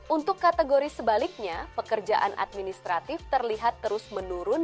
untuk kategori sebaliknya pekerjaan administratif terlihat terus menurun